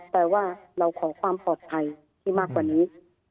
แปลว่าเราขอความปลอดภัยที่มากกว่านี้